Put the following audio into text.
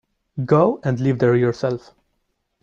Go and live there yourself.